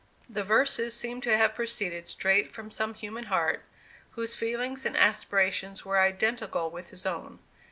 The verses seemed to have proceeded straight from some human heart, whose feelings and aspirations were identical with his own.